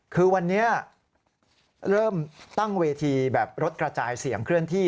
คือวันนี้เริ่มตั้งเวทีแบบรถกระจายเสียงเคลื่อนที่